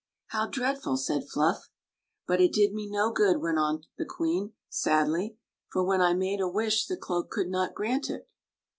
"How dreadful!" said Fluff. " But it did me no good," went on the queen, sadly ;" for when I made a wish the cloak could not grant it."